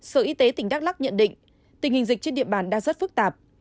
sở y tế tỉnh đắk lắc nhận định tình hình dịch trên địa bàn đang rất phức tạp